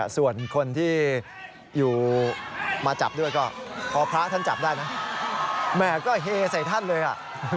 ส่วนคนที่อยู่มาจับด้วยก็พอพระท่านจับได้นะแม่ก็เฮใส่ท่านเลย